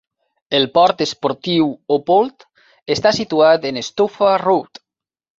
El port esportiu Oppold està situat en Stouffer Road.